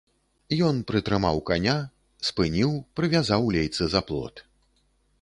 Ён прытрымаў каня, спыніў, прывязаў лейцы за плот.